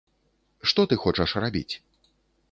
Што ты хочаш рабіць?